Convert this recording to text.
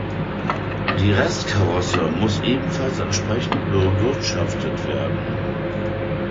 Die Restkarosse muss ebenfalls entsprechend bewirtschaftet werden.